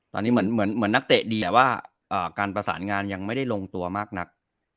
ตอนนี้เหมือนนักเตะดีว่าการประสานงานยังไม่ได้ลงตัวมากนัก